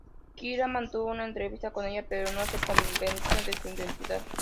Kira mantuvo una entrevista con ella pero no se convenció de su identidad.